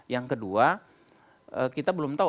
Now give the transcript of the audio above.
yang kedua kita belum tahu